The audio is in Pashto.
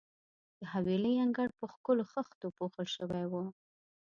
د حویلۍ انګړ په ښکلو خښتو پوښل شوی وو.